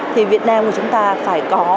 thì việt nam của chúng ta phải có